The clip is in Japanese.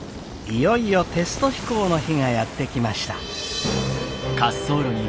いよいよテスト飛行の日がやって来ました。